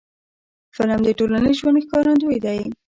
فلم د ټولنیز ژوند ښکارندوی دی